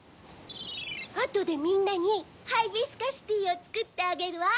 あとでみんなにハイビスカスティーをつくってあげるわ。